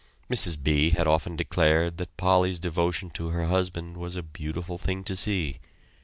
Mrs. B. had often declared that Polly's devotion to her husband was a beautiful thing to see.